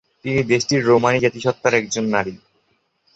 তিনি দেশটির রোমানি জাতিসত্তার একজন নারী।